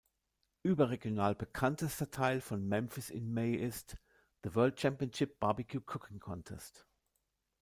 Überregional bekanntester Teil von Memphis in May ist "The World Championship Barbecue Cooking Contest".